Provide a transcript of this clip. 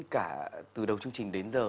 cả từ đầu chương trình đến giờ